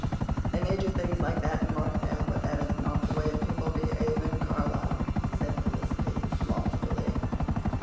"They may do things like that in Markdale but that is not the way people behave in Carlisle," said Felicity loftily.